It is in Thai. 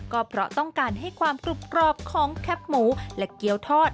ก็เพราะต้องการให้ความกรุบกรอบของแคบหมูและเกี้ยวทอด